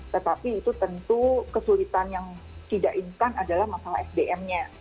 tetapi itu tentu kesulitan yang tidak instan adalah masalah sdm nya